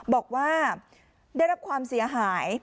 บอกว่าได้รับความเสียหาย